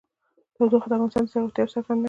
تودوخه د افغانستان د زرغونتیا یوه څرګنده نښه ده.